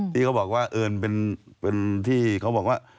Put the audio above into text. ที่เขาบอกว่าเอิญเป็นที่เขาบอกว่า